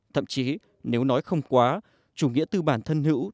thậm chí nếu nói không quá chủ nghĩa tư bản thân hữu